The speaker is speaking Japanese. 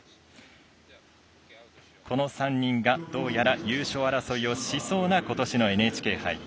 この３人がどうやら優勝争いをしそうなことしのＮＨＫ杯。